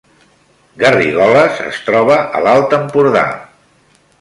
Garrigoles es troba a l’Alt Empordà